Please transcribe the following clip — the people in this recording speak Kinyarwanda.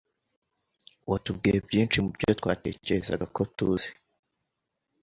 Watubwiye byinshi mubyo twatekerezaga ko tuzi